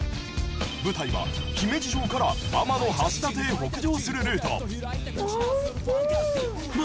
舞台は姫路城から天橋立へ北上するルート。